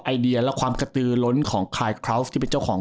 ไอเดียและความกระตือล้นของคลายเคราวส์ที่เป็นเจ้าของ